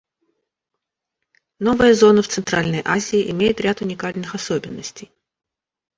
Новая зона в Центральной Азии имеет ряд уникальных особенностей.